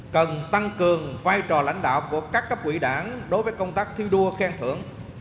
cần tăng cường vai trò lãnh đạo của các cấp quỹ đảng đối với công tác thi đua khen thưởng